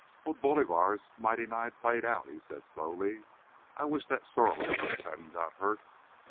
"Old Bolivar's mighty nigh played out," he said, slowly. "I wish that sorrel of yours hadn't got hurt."